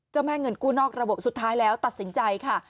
แม่เงินกู้นอกระบบสุดท้ายแล้วตัดสินใจค่ะ